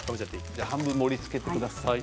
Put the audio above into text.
半分盛りつけてください。